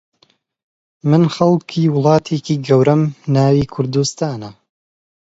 من خەڵکی وڵاتێکی گەورەم ناوی کوردستانە